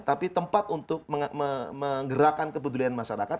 tapi tempat untuk menggerakkan kepedulian masyarakat